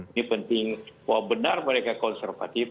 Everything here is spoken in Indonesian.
ini penting bahwa benar mereka konservatif